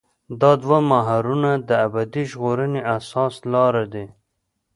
دا دوه محورونه د ابدي ژغورنې اساسي لاره دي.